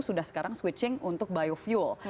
sudah sekarang switching untuk biofuel